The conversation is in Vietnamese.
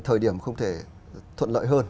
thời điểm không thể thuận lợi hơn